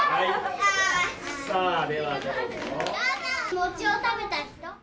餅を食べた人。